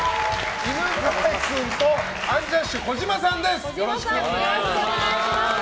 犬飼君とアンジャッシュ児嶋さんです。